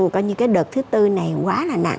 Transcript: coi như cái đợt thứ tư này quá là nặng